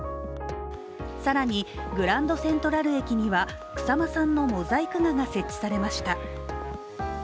更にグランドセントラル駅には草間さんのモザイク画が設置されました。